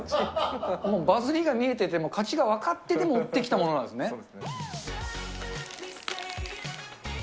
もうバズりが見えてて、勝ちが分かってて持ってきたものなんですね。